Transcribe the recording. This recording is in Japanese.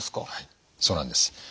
はいそうなんです。